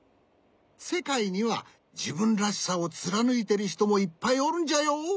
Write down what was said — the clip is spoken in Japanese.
せかいにはじぶんらしさをつらぬいてるひともいっぱいおるんじゃよ。